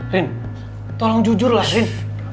rin tolong jujur lah rin